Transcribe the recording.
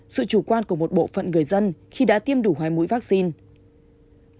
sự chủ quan của một bộ phận người dân khi đã tiêm đủ hai mũi vaccine